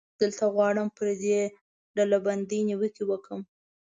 دلته غواړم پر دې ډلبندۍ نیوکې وکړم.